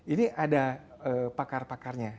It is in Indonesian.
ini ada pakar pakarnya